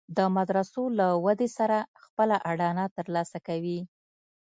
د مدرسو له ودې سره خپله اډانه تر لاسه کوي.